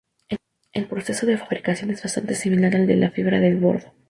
El proceso de fabricación es bastante similar al de la fibra de boro.